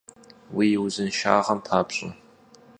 Vui vuzınşşağem papş'e!